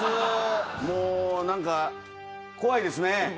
もう何か怖いですね。